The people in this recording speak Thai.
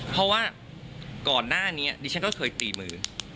เพราะว่าก่อนหน้านี้ดิฉันก็เคยตีมือ